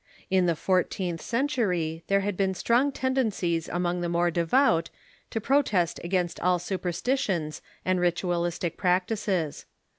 In the fourteenth century there had been Pu Uans st'"^"o tendencies among the more devout to protest against all superstitious and ritualistic practices.